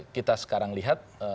kita sekarang lihat